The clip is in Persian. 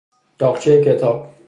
تاقچهی کتاب